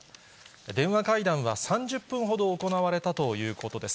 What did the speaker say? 電話会談は３０分ほど行われたということです。